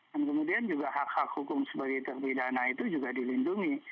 dan kemudian juga hak hak hukum sebagai terpidana itu juga dilindungi